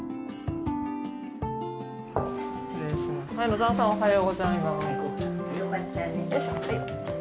野澤さんおはようございます。